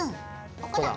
ここだ。